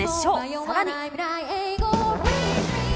さらに。